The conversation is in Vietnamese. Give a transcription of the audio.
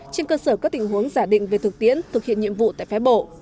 trên cơ sở các tình huống giả định về thực tiễn thực hiện nhiệm vụ tại phái bộ